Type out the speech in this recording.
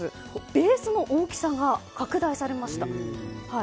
ベースの大きさが拡大されました。